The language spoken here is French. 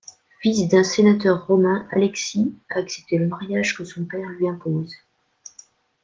Fils d'un sénateur romain, Alexis a accepté le mariage que son père lui impose.